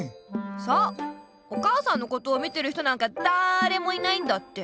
そうお母さんのことを見てる人なんかだれもいないんだって。